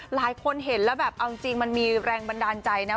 หลายคนเห็นแล้วแบบเอาจริงมันมีแรงบันดาลใจนะ